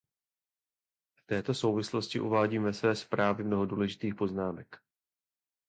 V této souvislosti uvádím ve své zprávě mnoho důležitých poznámek.